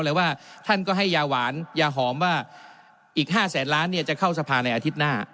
ว่าท่านก็ให้ยาหวานยาหอมว่าอีก๕แสนล้านเนี่ยจะเข้าสภาในอาทิตย์หน้า